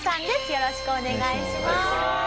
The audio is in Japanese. よろしくお願いします。